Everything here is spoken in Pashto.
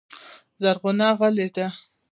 زرغونه غلې ده .